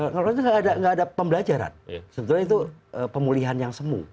nggak ada pembelajaran sebetulnya itu pemulihan yang semu